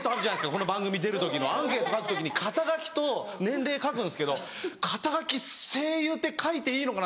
この番組出る時のアンケート書く時に肩書と年齢書くんですけど肩書声優って書いていいのかな？